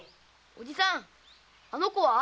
おじさんあの子は？